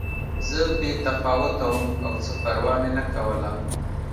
زه بې تفاوته وم او څه پروا مې نه کوله